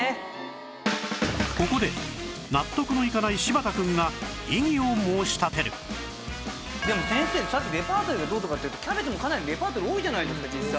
ここで納得のいかない柴田くんが異議を申し立てるでも先生レパートリーがどうとかっていうとキャベツもかなりレパートリー多いじゃないですか実際。